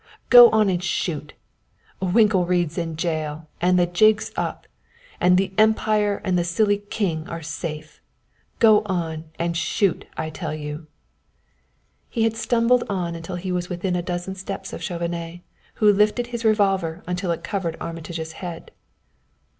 Go on and shoot! Winkelried's in jail and the jig's up and the Empire and the silly King are safe. Go on and shoot, I tell you!" He had stumbled on until he was within a dozen steps of Chauvenet, who lifted his revolver until it covered Armitage's head.